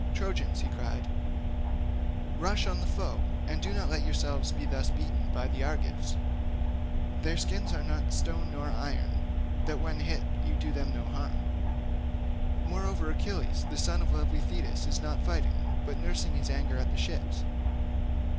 "Trojans," he cried, "rush on the foe, and do not let yourselves be thus beaten by the Argives. Their skins are not stone nor iron that when you hit them you do them no harm. Moreover, Achilles, the son of lovely Thetis, is not fighting, but is nursing his anger at the ships."